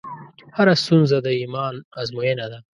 هره ستونزه د ایمان ازموینه ده.